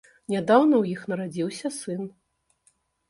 Нядаўна ў іх нарадзіўся сын.